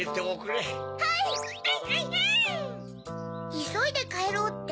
「いそいでかえろう」って？